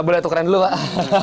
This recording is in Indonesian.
boleh tukeran dulu pak